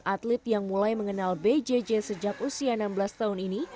atlet yang mulai mengenal bjj sejak usia enam belas tahun ini